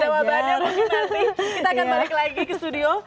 jawabannya mungkin nanti kita akan balik lagi ke studio